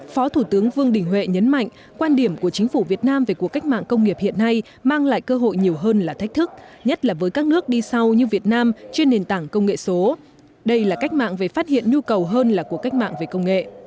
phó thủ tướng vương đình huệ nhấn mạnh quan điểm của chính phủ việt nam về cuộc cách mạng công nghiệp hiện nay mang lại cơ hội nhiều hơn là thách thức nhất là với các nước đi sau như việt nam trên nền tảng công nghệ số đây là cách mạng về phát hiện nhu cầu hơn là cuộc cách mạng về công nghệ